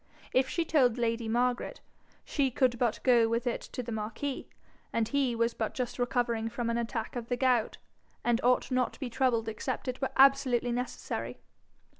If she told lady Margaret she could but go with it to the marquis, and he was but just recovering from an attack of the gout, and ought not to be troubled except it were absolutely necessary.